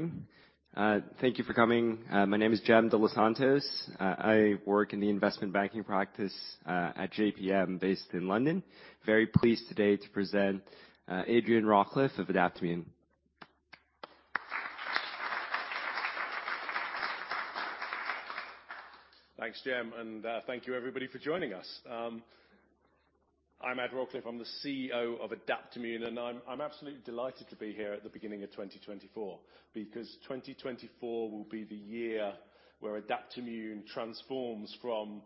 Morning, thank you for coming. My name is Jem de los Santos. I work in the investment banking practice, at JPM, based in London. Very pleased today to present Adrian Rawcliffe of Adaptimmune. Thanks, Jem, and thank you everybody for joining us. I'm Ad Rawcliffe. I'm the CEO of Adaptimmune, and I'm absolutely delighted to be here at the beginning of 2024, because 2024 will be the year where Adaptimmune transforms from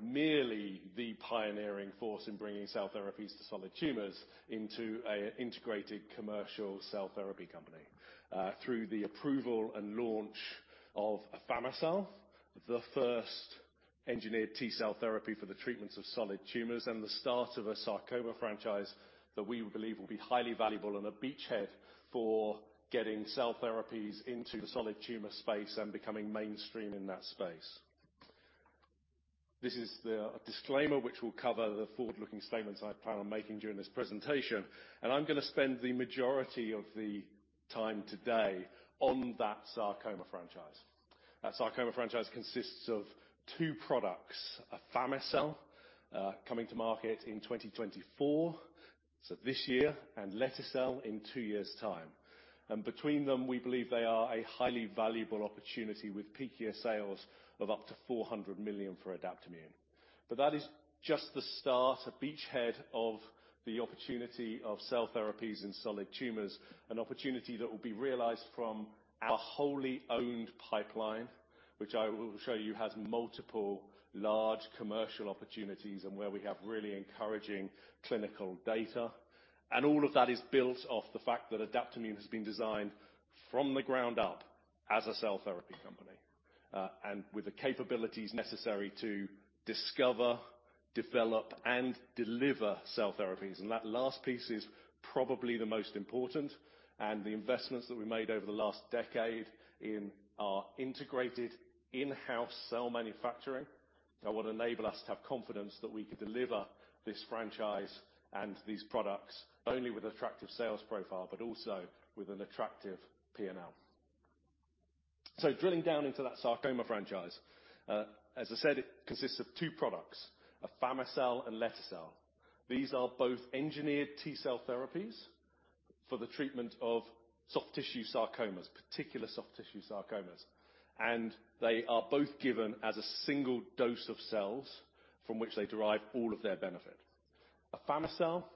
merely the pioneering force in bringing cell therapies to solid tumors into an integrated commercial cell therapy company. Through the approval and launch of afami-cel, the first engineered T-cell therapy for the treatment of solid tumors, and the start of a sarcoma franchise that we believe will be highly valuable and a beachhead for getting cell therapies into the solid tumor space and becoming mainstream in that space. This is the disclaimer, which will cover the forward-looking statements I plan on making during this presentation, and I'm going to spend the majority of the time today on that sarcoma franchise. That sarcoma franchise consists of two products, afami-cel, coming to market in 2024, so this year, and lete-cel in two years' time. Between them, we believe they are a highly valuable opportunity with peak year sales of up to $400 million for Adaptimmune. But that is just the start, a beachhead of the opportunity of cell therapies in solid tumors, an opportunity that will be realized from our wholly owned pipeline, which I will show you has multiple large commercial opportunities and where we have really encouraging clinical data. All of that is built off the fact that Adaptimmune has been designed from the ground up as a cell therapy company, and with the capabilities necessary to discover, develop, and deliver cell therapies. That last piece is probably the most important, and the investments that we made over the last decade in our integrated in-house cell manufacturing, that would enable us to have confidence that we could deliver this franchise and these products not only with attractive sales profile, but also with an attractive P&L. So drilling down into that sarcoma franchise, as I said, it consists of two products, afami-cel and lete-cel. These are both engineered T-cell therapies for the treatment of soft tissue sarcomas, particular soft tissue sarcomas, and they are both given as a single dose of cells from which they derive all of their benefit. Afami-cel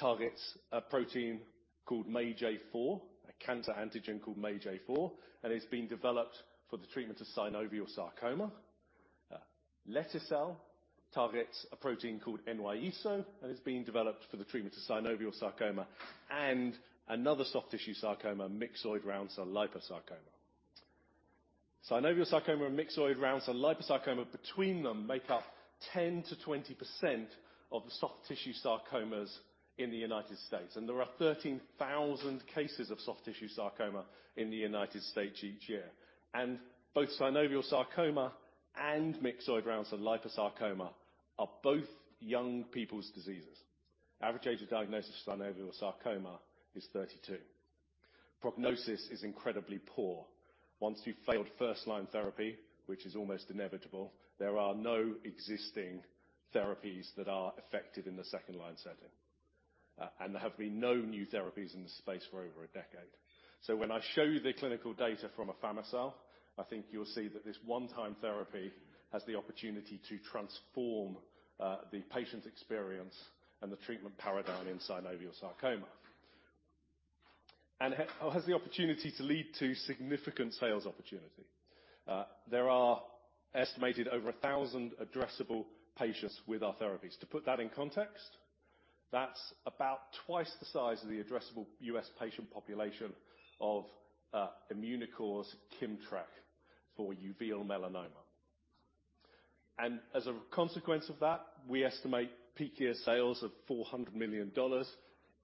targets a protein called MAGE-A4, a cancer antigen called MAGE-A4, and it's been developed for the treatment of synovial sarcoma. Lete-cel targets a protein called NY-ESO, and it's being developed for the treatment of synovial sarcoma and another soft tissue sarcoma, myxoid round cell liposarcoma. Synovial sarcoma and myxoid round cell liposarcoma, between them, make up 10%-20% of the soft tissue sarcomas in the United States, and there are 13,000 cases of soft tissue sarcoma in the United States each year. Both synovial sarcoma and myxoid round cell liposarcoma are both young people's diseases. Average age of diagnosis for synovial sarcoma is 32. Prognosis is incredibly poor. Once you've failed first-line therapy, which is almost inevitable, there are no existing therapies that are effective in the second-line setting, and there have been no new therapies in this space for over a decade. So when I show you the clinical data from afami-cel, I think you'll see that this one-time therapy has the opportunity to transform the patient experience and the treatment paradigm in synovial sarcoma. And has the opportunity to lead to significant sales opportunity. There are estimated over 1,000 addressable patients with our therapies. To put that in context, that's about twice the size of the addressable U.S. patient population of Immunocore's KIMMTRAK for uveal melanoma. And as a consequence of that, we estimate peak year sales of $400 million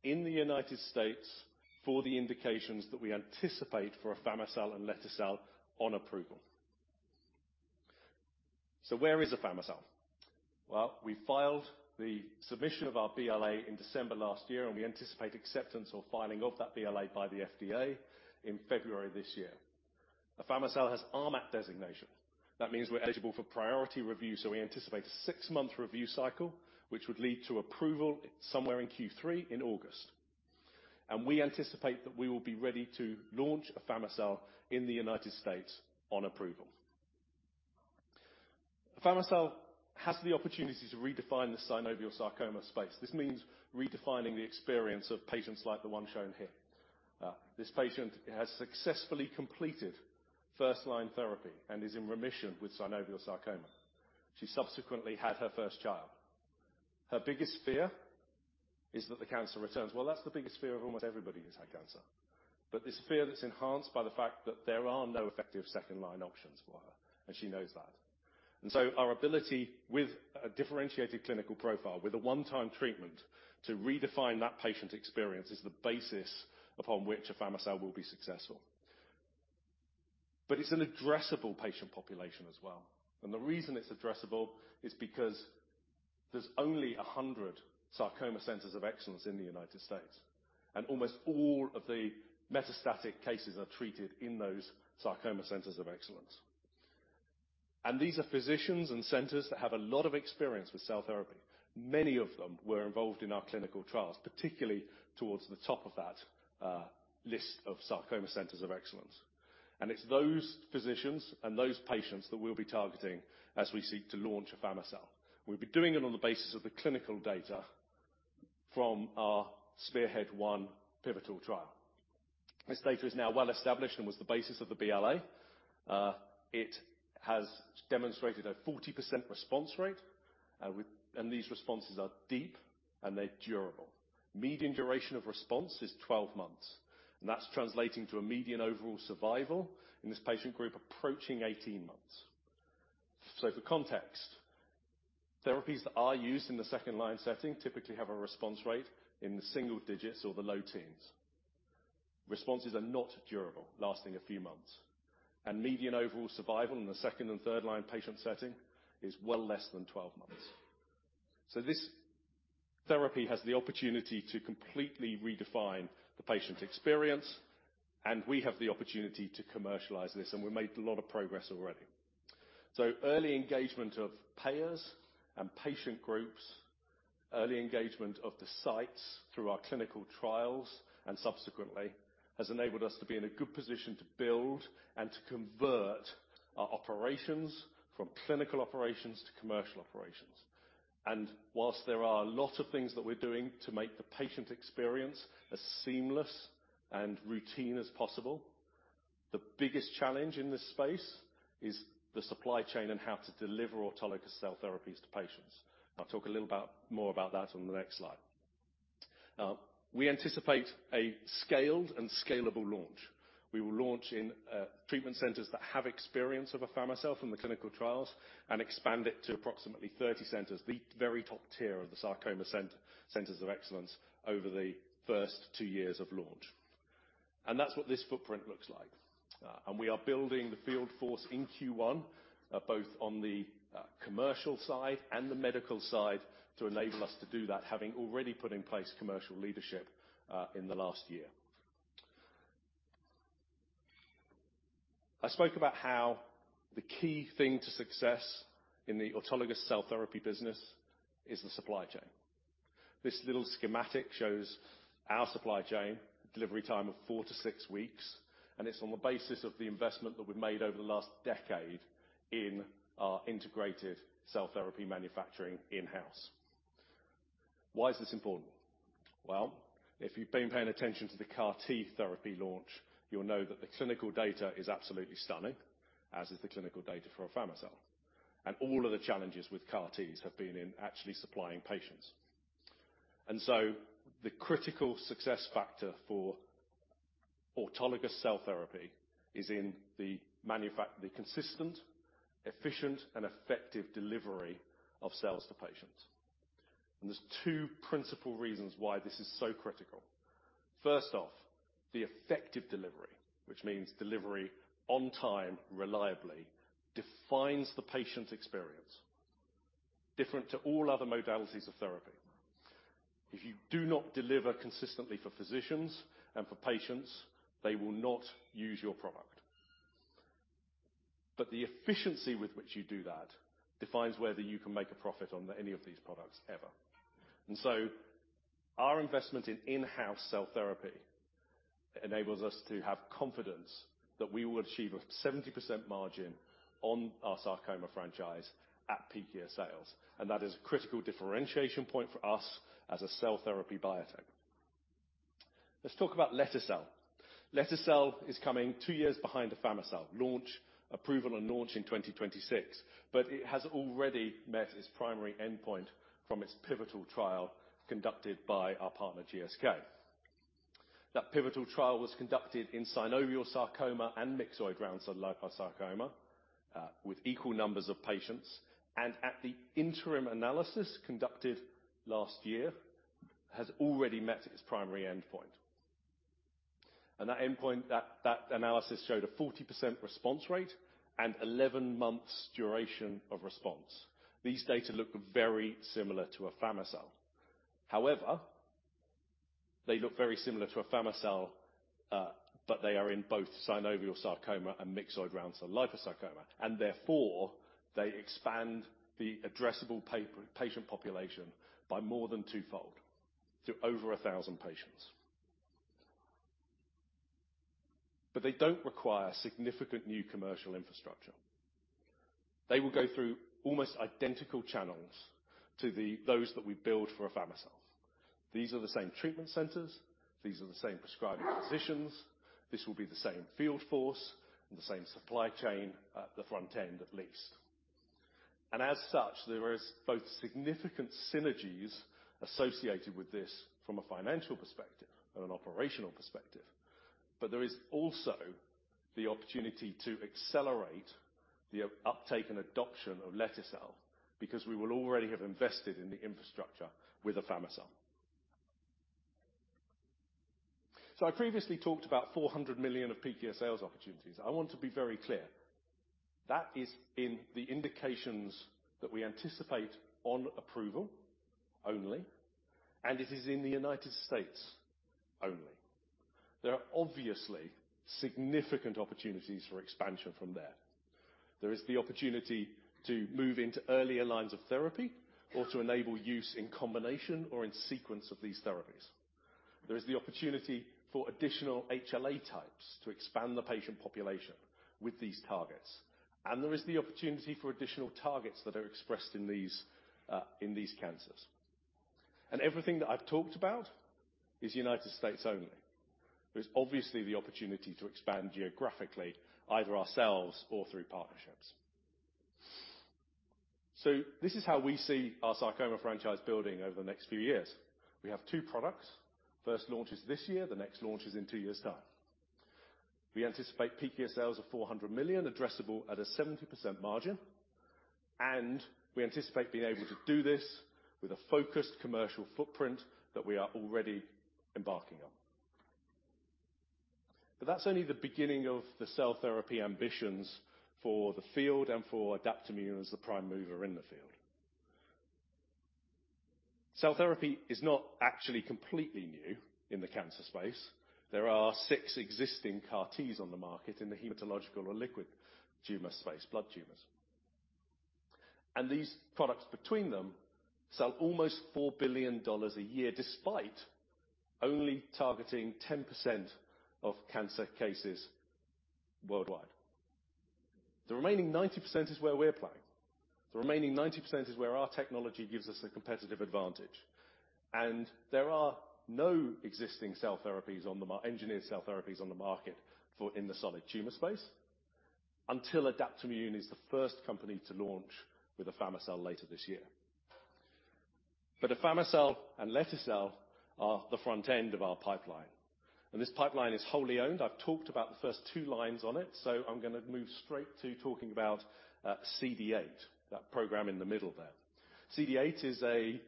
in the United States for the indications that we anticipate for afami-cel and lete-cel on approval. So where is afami-cel? Well, we filed the submission of our BLA in December last year, and we anticipate acceptance or filing of that BLA by the FDA in February this year. Afami-cel has RMAT designation. That means we're eligible for priority review, so we anticipate a six-month review cycle, which would lead to approval somewhere in Q3 in August. And we anticipate that we will be ready to launch afami-cel in the United States on approval. Afami-cel has the opportunity to redefine the synovial sarcoma space. This means redefining the experience of patients like the one shown here. This patient has successfully completed first-line therapy and is in remission with synovial sarcoma. She subsequently had her first child. Her biggest fear is that the cancer returns. Well, that's the biggest fear of almost everybody who's had cancer. But this fear that's enhanced by the fact that there are no effective second-line options for her, and she knows that. Our ability with a differentiated clinical profile, with a one-time treatment, to redefine that patient experience is the basis upon which afami-cel will be successful... But it's an addressable patient population as well. The reason it's addressable is because there's only 100 sarcoma centers of excellence in the United States, and almost all of the metastatic cases are treated in those sarcoma centers of excellence. These are physicians and centers that have a lot of experience with cell therapy. Many of them were involved in our clinical trials, particularly towards the top of that list of sarcoma centers of excellence. It's those physicians and those patients that we'll be targeting as we seek to launch afami-cel. We'll be doing it on the basis of the clinical data from our SPEARHEAD-1 pivotal trial. This data is now well-established and was the basis of the BLA. It has demonstrated a 40% response rate, and these responses are deep, and they're durable. Median duration of response is 12 months, and that's translating to a median overall survival in this patient group approaching 18 months. So for context, therapies that are used in the second-line setting typically have a response rate in the single digits or the low teens. Responses are not durable, lasting a few months, and median overall survival in the second and third line patient setting is well less than 12 months. So this therapy has the opportunity to completely redefine the patient experience, and we have the opportunity to commercialize this, and we've made a lot of progress already. Early engagement of payers and patient groups, early engagement of the sites through our clinical trials and subsequently, has enabled us to be in a good position to build and to convert our operations from clinical operations to commercial operations. While there are a lot of things that we're doing to make the patient experience as seamless and routine as possible, the biggest challenge in this space is the supply chain and how to deliver autologous cell therapies to patients. I'll talk a little more about that on the next slide. We anticipate a scaled and scalable launch. We will launch in treatment centers that have experience of afami-cel from the clinical trials and expand it to approximately 30 centers, the very top tier of the sarcoma centers of excellence over the first two years of launch. That's what this footprint looks like. And we are building the field force in Q1, both on the commercial side and the medical side, to enable us to do that, having already put in place commercial leadership in the last year. I spoke about how the key thing to success in the autologous cell therapy business is the supply chain. This little schematic shows our supply chain, delivery time of 4-6 weeks, and it's on the basis of the investment that we've made over the last decade in our integrated cell therapy manufacturing in-house. Why is this important? Well, if you've been paying attention to the CAR-T therapy launch, you'll know that the clinical data is absolutely stunning, as is the clinical data for afami-cel. And all of the challenges with CAR-Ts have been in actually supplying patients. The critical success factor for autologous cell therapy is the consistent, efficient, and effective delivery of cells to patients. There's two principal reasons why this is so critical. First off, the effective delivery, which means delivery on time, reliably, defines the patient experience. Different to all other modalities of therapy. If you do not deliver consistently for physicians and for patients, they will not use your product. The efficiency with which you do that defines whether you can make a profit on any of these products ever. Our investment in in-house cell therapy enables us to have confidence that we will achieve a 70% margin on our sarcoma franchise at peak year sales, and that is a critical differentiation point for us as a cell therapy biotech. Let's talk about lete-cel. lete-cel is coming two years behind afami-cel, launch, approval, and launch in 2026, but it has already met its primary endpoint from its pivotal trial conducted by our partner, GSK. That pivotal trial was conducted in synovial sarcoma and myxoid round cell liposarcoma with equal numbers of patients, and at the interim analysis conducted last year, has already met its primary endpoint. That endpoint, that analysis showed a 40% response rate and 11 months duration of response. These data look very similar to afami-cel. However, they look very similar to afami-cel, but they are in both synovial sarcoma and myxoid round cell liposarcoma, and therefore, they expand the addressable patient population by more than twofold, to over 1,000 patients. But they don't require significant new commercial infrastructure. They will go through almost identical channels to those that we build for afami-cel. These are the same treatment centers, these are the same prescribing physicians, this will be the same field force and the same supply chain at the front end, at least. And as such, there is both significant synergies associated with this from a financial perspective and an operational perspective, but there is also the opportunity to accelerate the uptake and adoption of lete-cel, because we will already have invested in the infrastructure with afami-cel. So I previously talked about $400 million of peak year sales opportunities. I want to be very clear, that is in the indications that we anticipate on approval only, and it is in the United States only. There are obviously significant opportunities for expansion from there. There is the opportunity to move into earlier lines of therapy or to enable use in combination or in sequence of these therapies. There is the opportunity for additional HLA types to expand the patient population with these targets, and there is the opportunity for additional targets that are expressed in these, in these cancers. Everything that I've talked about is United States only. There's obviously the opportunity to expand geographically, either ourselves or through partnerships. So this is how we see our sarcoma franchise building over the next few years. We have two products. First launch is this year, the next launch is in two years' time. We anticipate peak year sales of $400 million, addressable at a 70% margin, and we anticipate being able to do this with a focused commercial footprint that we are already embarking on. But that's only the beginning of the cell therapy ambitions for the field and for Adaptimmune as the prime mover in the field. Cell therapy is not actually completely new in the cancer space. There are six existing CAR-Ts on the market in the hematological or liquid tumor space, blood tumors. And these products between them sell almost $4 billion a year, despite only targeting 10% of cancer cases worldwide. The remaining 90% is where we're playing. The remaining 90% is where our technology gives us a competitive advantage, and there are no existing engineered cell therapies on the market for in the solid tumor space, until Adaptimmune is the first company to launch with afami-cel later this year. But afami-cel and lete-cel are the front end of our pipeline, and this pipeline is wholly owned. I've talked about the first two lines on it, so I'm gonna move straight to talking about CD8, that program in the middle there. CD8 is a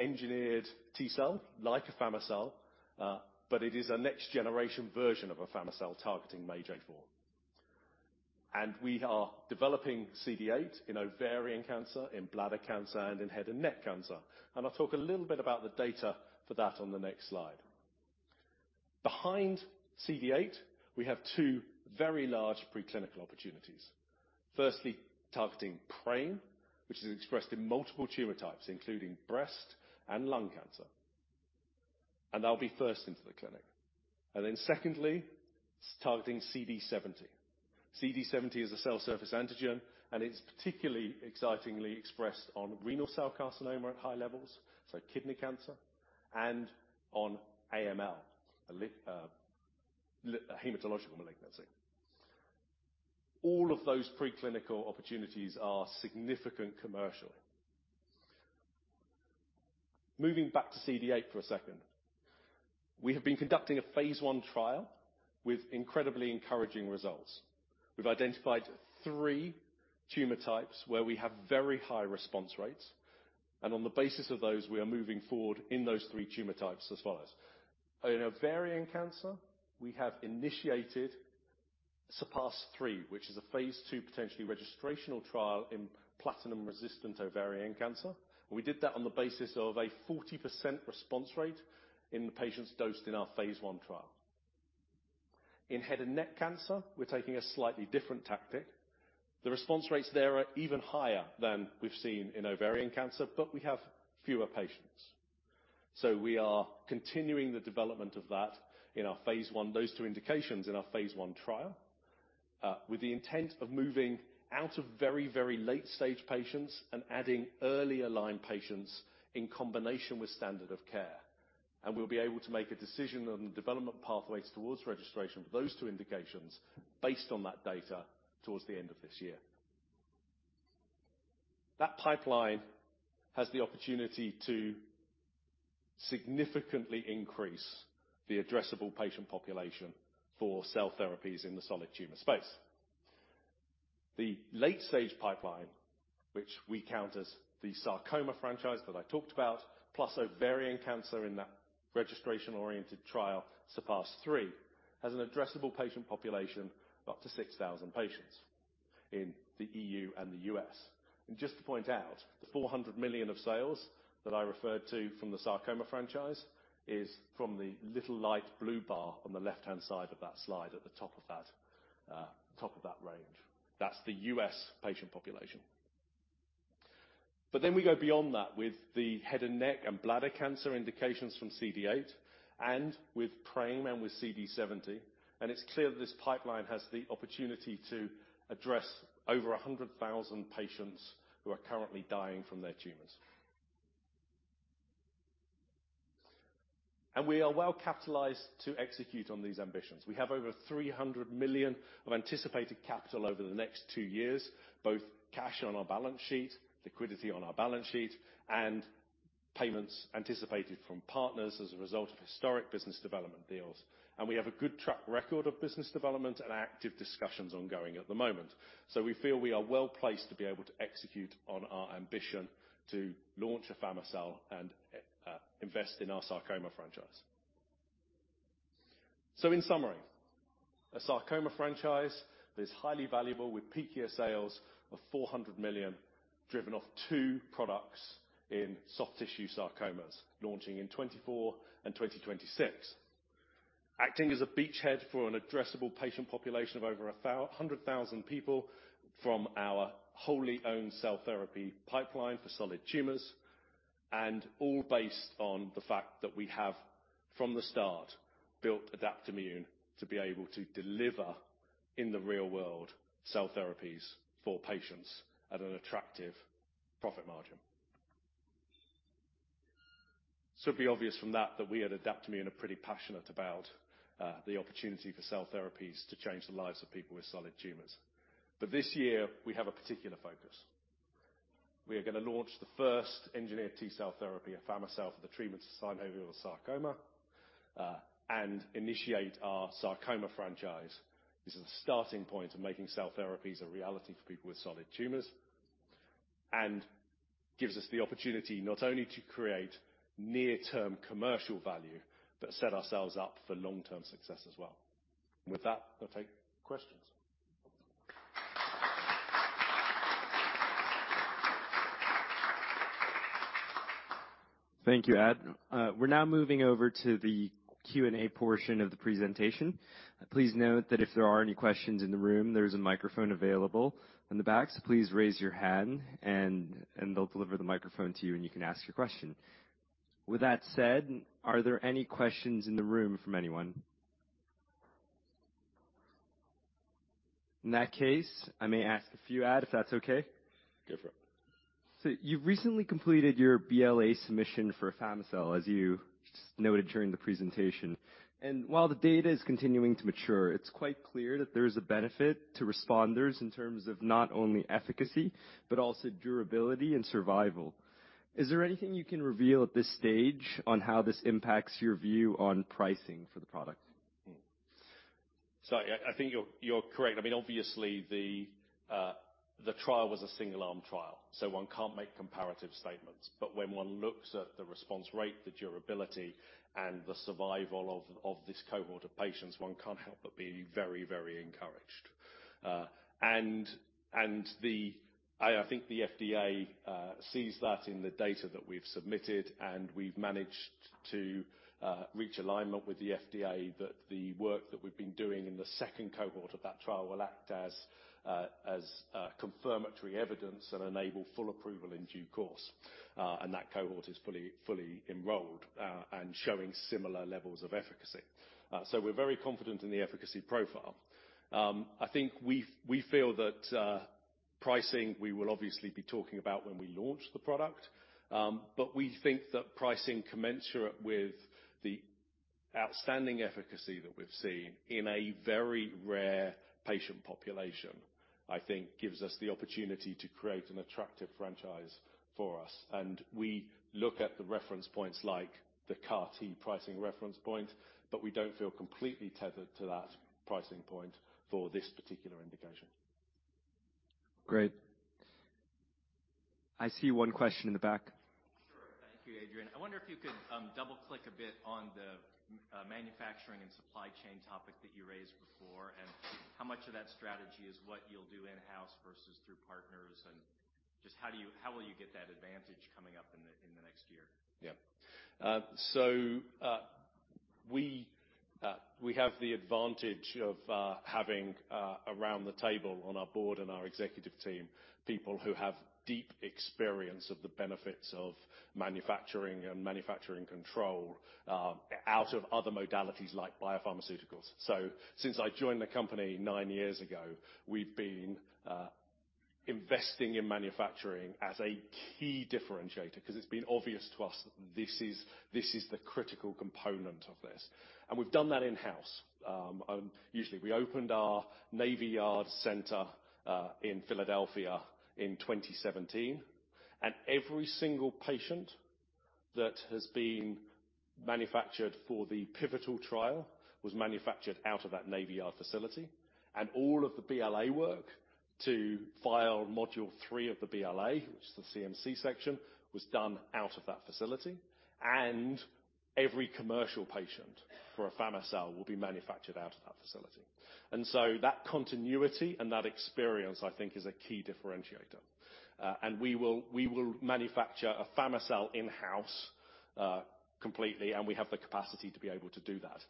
engineered T-cell, like afami-cel, but it is a next generation version of afami-cel, targeting MAGE-A4. And we are developing CD8 in ovarian cancer, in bladder cancer, and in head and neck cancer. And I'll talk a little bit about the data for that on the next slide. Behind CD8, we have two very large preclinical opportunities. Firstly, targeting PRAME, which is expressed in multiple tumor types, including breast and lung cancer, and that'll be first into the clinic. And then secondly, targeting CD70. CD70 is a cell surface antigen, and it's particularly excitingly expressed on renal cell carcinoma at high levels, so kidney cancer, and on AML, a hematological malignancy. All of those preclinical opportunities are significant commercially. Moving back to CD8 for a second. We have been conducting a Phase 1 trial with incredibly encouraging results. We've identified three tumor types where we have very high response rates, and on the basis of those, we are moving forward in those three tumor types as follows. In ovarian cancer, we have initiated SURPASS-3, which is a Phase 2, potentially registrational trial in platinum-resistant ovarian cancer. We did that on the basis of a 40% response rate in the patients dosed in our Phase 1 trial. In head and neck cancer, we're taking a slightly different tactic. The response rates there are even higher than we've seen in ovarian cancer, but we have fewer patients. So we are continuing the development of that in our Phase 1, those two indications in our phase I trial, with the intent of moving out of very, very late stage patients and adding earlier line patients in combination with standard of care. And we'll be able to make a decision on the development pathways towards registration for those two indications based on that data towards the end of this year. That pipeline has the opportunity to significantly increase the addressable patient population for cell therapies in the solid tumor space. The late stage pipeline, which we count as the sarcoma franchise that I talked about, plus ovarian cancer in that registration-oriented trial, SURPASS-3, has an addressable patient population of up to 6,000 patients in the EU and the U.S. And just to point out, the $400 million of sales that I referred to from the sarcoma franchise is from the little light blue bar on the left-hand side of that slide at the top of that range. That's the U.S. patient population. But then we go beyond that with the head and neck and bladder cancer indications from CD8 and with PRAME and with CD70, and it's clear that this pipeline has the opportunity to address over 100,000 patients who are currently dying from their tumors. And we are well-capitalized to execute on these ambitions. We have over $300 million of anticipated capital over the next two years, both cash on our balance sheet, liquidity on our balance sheet, and payments anticipated from partners as a result of historic business development deals. We have a good track record of business development and active discussions ongoing at the moment. So we feel we are well-placed to be able to execute on our ambition to launch afami-cel and invest in our sarcoma franchise. So in summary, a sarcoma franchise that is highly valuable, with peak year sales of $400 million, driven off two products in soft tissue sarcomas, launching in 2024 and 2026. Acting as a beachhead for an addressable patient population of over 100,000 people from our wholly-owned cell therapy pipeline for solid tumors, and all based on the fact that we have, from the start, built Adaptimmune to be able to deliver, in the real world, cell therapies for patients at an attractive profit margin. So it'd be obvious from that, that we at Adaptimmune are pretty passionate about the opportunity for cell therapies to change the lives of people with solid tumors. But this year, we have a particular focus. We are gonna launch the first engineered T-cell therapy, afami-cel, for the treatment of synovial sarcoma and initiate our sarcoma franchise. This is a starting point of making cell therapies a reality for people with solid tumors and gives us the opportunity not only to create near-term commercial value, but set ourselves up for long-term success as well. And with that, I'll take questions. Thank you, Ad. We're now moving over to the Q&A portion of the presentation. Please note that if there are any questions in the room, there's a microphone available in the back, so please raise your hand and they'll deliver the microphone to you, and you can ask your question. With that said, are there any questions in the room from anyone? In that case, I may ask a few, Ad, if that's okay? Go for it. So you've recently completed your BLA submission for afami-cel, as you noted during the presentation, and while the data is continuing to mature, it's quite clear that there is a benefit to responders in terms of not only efficacy, but also durability and survival. Is there anything you can reveal at this stage on how this impacts your view on pricing for the product? So I think you're correct. I mean, obviously, the trial was a single-arm trial, so one can't make comparative statements. But when one looks at the response rate, the durability, and the survival of this cohort of patients, one can't help but be very, very encouraged. The FDA sees that in the data that we've submitted, and we've managed to reach alignment with the FDA that the work that we've been doing in the second cohort of that trial will act as confirmatory evidence and enable full approval in due course. And that cohort is fully enrolled and showing similar levels of efficacy. So we're very confident in the efficacy profile. I think we feel that pricing, we will obviously be talking about when we launch the product. But we think that pricing commensurate with the outstanding efficacy that we've seen in a very rare patient population, I think gives us the opportunity to create an attractive franchise for us. We look at the reference points like the CAR-T pricing reference point, but we don't feel completely tethered to that pricing point for this particular indication. Great. I see one question in the back. Sure. Thank you, Adrian. I wonder if you could double-click a bit on the manufacturing and supply chain topic that you raised before, and how much of that strategy is what you'll do in-house versus through partners, and just how will you get that advantage coming up in the next year? Yeah. So, we have the advantage of having around the table on our board and our executive team, people who have deep experience of the benefits of manufacturing and manufacturing control out of other modalities like biopharmaceuticals. So since I joined the company nine years ago, we've been investing in manufacturing as a key differentiator because it's been obvious to us that this is, this is the critical component of this, and we've done that in-house. Usually, we opened our Navy Yard center in Philadelphia in 2017, and every single patient that has been manufactured for the pivotal trial was manufactured out of that Navy Yard facility, and all of the BLA work to file Module 3 of the BLA, which is the CMC section, was done out of that facility. Every commercial patient for afami-cel will be manufactured out of that facility. So that continuity and that experience, I think, is a key differentiator. And we will, we will manufacture afami-cel in-house, completely, and we have the capacity to be able to do that.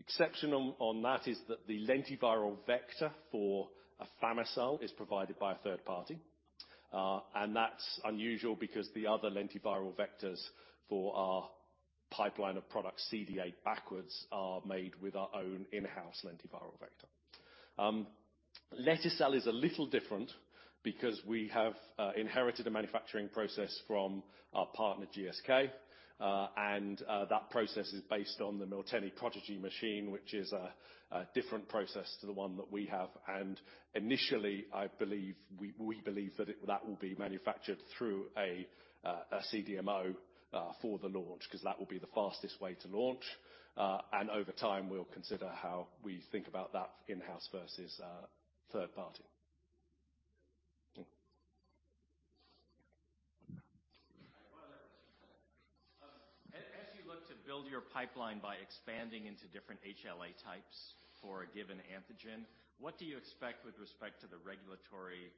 Exception on that is that the lentiviral vector for afami-cel is provided by a third party. And that's unusual because the other lentiviral vectors for our pipeline of products, CDA backwards, are made with our own in-house lentiviral vector. lete-cel is a little different because we have inherited a manufacturing process from our partner, GSK, and that process is based on the Miltenyi Prodigy machine, which is a different process to the one that we have. Initially, we believe that it will be manufactured through a CDMO for the launch, because that will be the fastest way to launch. Over time, we'll consider how we think about that in-house versus third party. ... As you look to build your pipeline by expanding into different HLA types for a given antigen, what do you expect with respect to the regulatory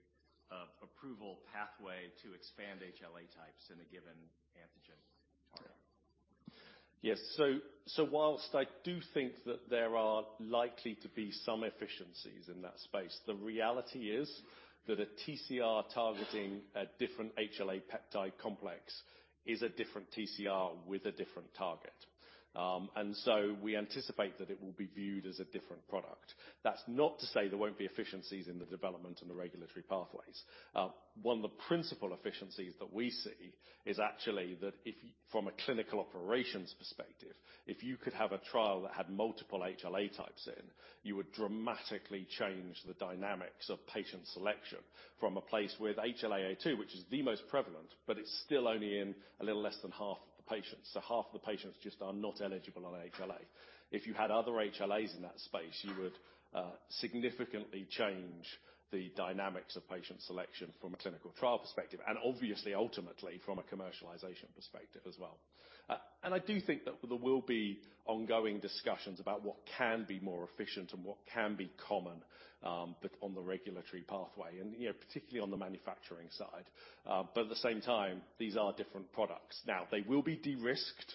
approval pathway to expand HLA types in a given antigen target? Yes. So, so while I do think that there are likely to be some efficiencies in that space, the reality is that a TCR targeting a different HLA peptide complex is a different TCR with a different target. And so we anticipate that it will be viewed as a different product. That's not to say there won't be efficiencies in the development and the regulatory pathways. One of the principal efficiencies that we see is actually that if from a clinical operations perspective, if you could have a trial that had multiple HLA types in, you would dramatically change the dynamics of patient selection from a place with HLA-A*02, which is the most prevalent, but it's still only in a little less than half of the patients. So half the patients just are not eligible on HLA. If you had other HLAs in that space, you would significantly change the dynamics of patient selection from a clinical trial perspective, and obviously, ultimately, from a commercialization perspective as well. I do think that there will be ongoing discussions about what can be more efficient and what can be common, but on the regulatory pathway and, you know, particularly on the manufacturing side. But at the same time, these are different products. Now, they will be de-risked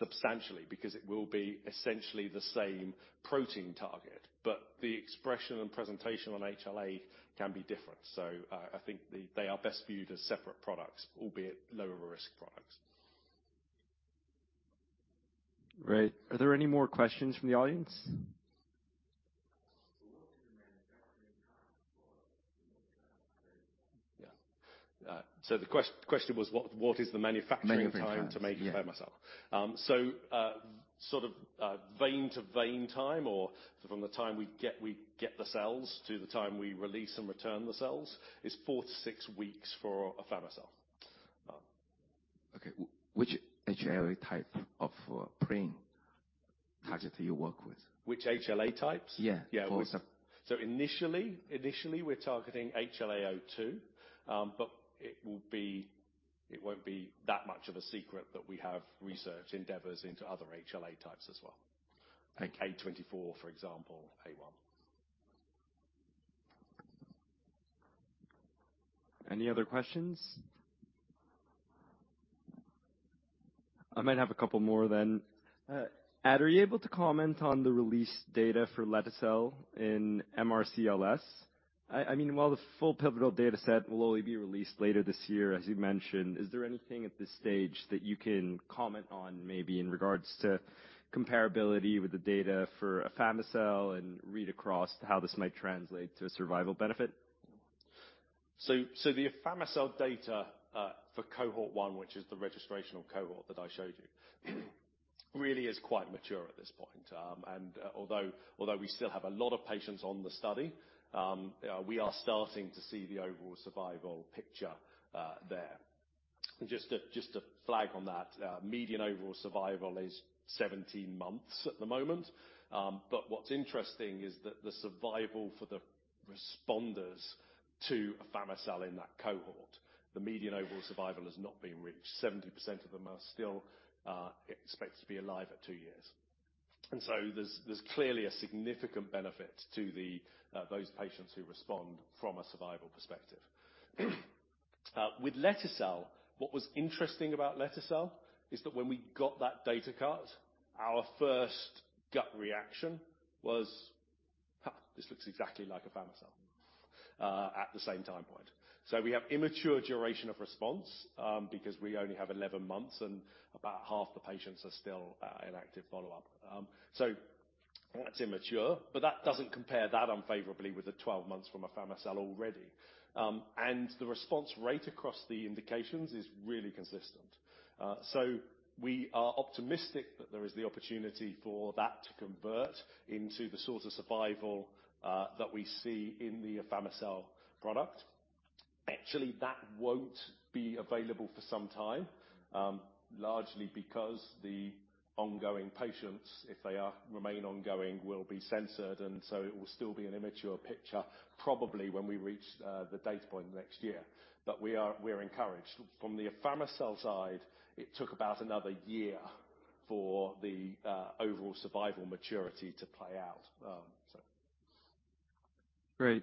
substantially because it will be essentially the same protein target, but the expression and presentation on HLA can be different. So, I think they are best viewed as separate products, albeit lower risk products. Great. Are there any more questions from the audience? What is the manufacturing time for afami-cel? Yeah. So the question was, what is the manufacturing time- Manufacturing time. -to make afami-cel? Yeah. So, sort of, vein to vein time, or from the time we get the cells to the time we release and return the cells, is 4-6 weeks for afami-cel. Okay. Which HLA type of protein target do you work with? Which HLA types? Yeah. Yeah. For example- Initially, we're targeting HLA-A*02, but it will be... It won't be that much of a secret that we have research endeavors into other HLA types as well. Okay. Like A*24, for example, A*01. Any other questions? I might have a couple more then. Ad, are you able to comment on the release date for lete-cel in MRCLS? I mean, while the full pivotal dataset will only be released later this year, as you mentioned, is there anything at this stage that you can comment on, maybe in regards to comparability with the data for afami-cel and read across to how this might translate to a survival benefit? So the afami-cel data for cohort one, which is the registrational cohort that I showed you, really is quite mature at this point. And although we still have a lot of patients on the study, we are starting to see the overall survival picture there. Just a flag on that, median overall survival is 17 months at the moment. But what's interesting is that the survival for the responders to afami-cel in that cohort, the median overall survival has not been reached. 70% of them are still expected to be alive at two years. And so there's clearly a significant benefit to those patients who respond from a survival perspective. With lete-cel, what was interesting about lete-cel is that when we got that data cut, our first gut reaction was, "Ha! This looks exactly like afami-cel," at the same time point. So we have immature duration of response, because we only have 11 months, and about half the patients are still in active follow-up. So that's immature, but that doesn't compare that unfavorably with the 12 months from afami-cel already. And the response rate across the indications is really consistent. So we are optimistic that there is the opportunity for that to convert into the sort of survival that we see in the afami-cel product. Actually, that won't be available for some time, largely because the ongoing patients, if they remain ongoing, will be censored, and so it will still be an immature picture, probably when we reach the data point next year. But we are, we're encouraged. From the afami-cel side, it took about another year for the overall survival maturity to play out. So. Great.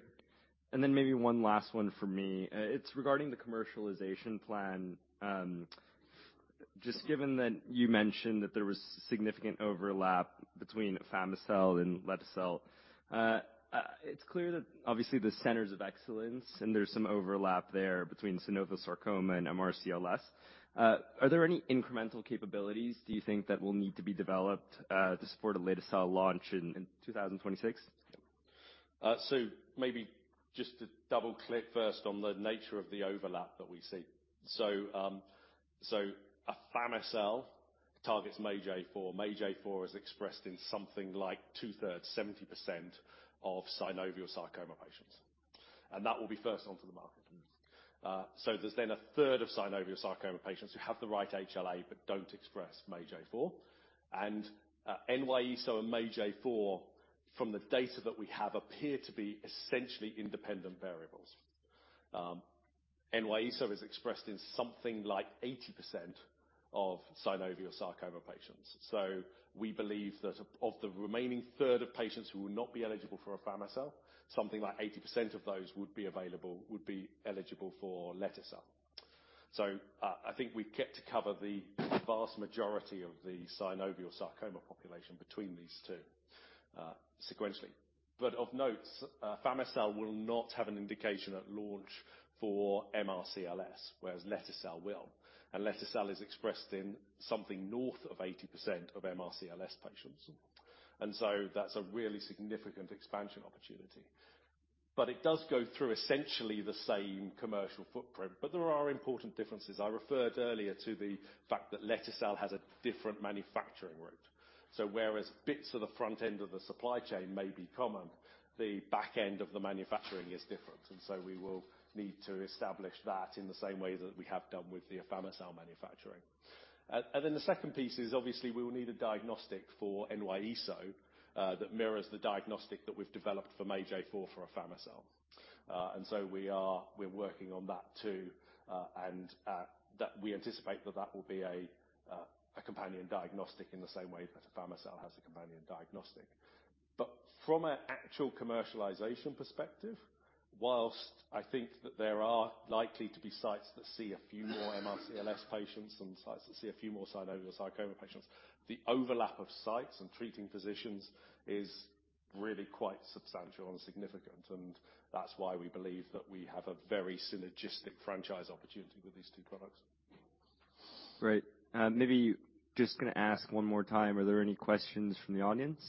And then maybe one last one from me. It's regarding the commercialization plan. Just given that you mentioned that there was significant overlap between afami-cel and lete-cel, it's clear that obviously the centers of excellence, and there's some overlap there between synovial sarcoma and MRCLS. Are there any incremental capabilities, do you think, that will need to be developed, to support a lete-cel launch in 2026? So maybe just to double-click first on the nature of the overlap that we see. So, afami-cel targets MAGE-A4. MAGE-A4 is expressed in something like two-thirds, 70% of synovial sarcoma patients, and that will be first onto the market. So there's then a third of synovial sarcoma patients who have the right HLA, but don't express MAGE-A4. And, NY-ESO-1 and MAGE-A4, from the data that we have, appear to be essentially independent variables. NY-ESO-1 is expressed in something like 80% of synovial sarcoma patients. So we believe that of, of the remaining third of patients who will not be eligible for afami-cel, something like 80% of those would be available, would be eligible for lete-cel. So, I think we get to cover the vast majority of the synovial sarcoma population between these two, sequentially. But of note, fami-cel will not have an indication at launch for MRCLS, whereas lete-cel will. And lete-cel is expressed in something north of 80% of MRCLS patients. And so that's a really significant expansion opportunity. But it does go through essentially the same commercial footprint, but there are important differences. I referred earlier to the fact that lete-cel has a different manufacturing route. So whereas bits of the front end of the supply chain may be common, the back end of the manufacturing is different, and so we will need to establish that in the same way that we have done with the afami-cel manufacturing. And then the second piece is obviously we will need a diagnostic for NY-ESO-1, that mirrors the diagnostic that we've developed for MAGE-A4 for afami-cel. And so we're working on that too, and that we anticipate that that will be a companion diagnostic in the same way that afami-cel has a companion diagnostic. But from an actual commercialization perspective, whilst I think that there are likely to be sites that see a few more MRCLS patients, and sites that see a few more synovial sarcoma patients, the overlap of sites and treating physicians is really quite substantial and significant, and that's why we believe that we have a very synergistic franchise opportunity with these two products. Great. Maybe just gonna ask one more time, are there any questions from the audience?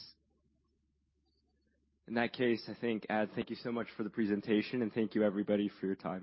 In that case, I think, Ad, thank you so much for the presentation, and thank you everybody for your time.